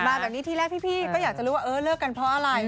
แบบนี้ทีแรกพี่ก็อยากจะรู้ว่าเออเลิกกันเพราะอะไร